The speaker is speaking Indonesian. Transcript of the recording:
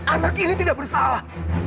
anak ini tidak bersalah